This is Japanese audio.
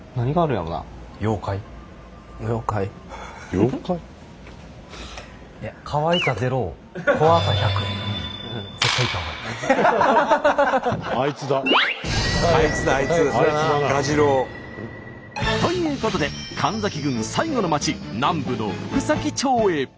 妖怪？ということで神崎郡最後の町南部の福崎町へ。